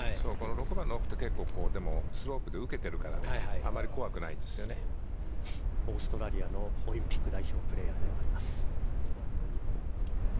６番ってスロープ受けてるからオーストラリアのオリンピック代表プレーヤーです。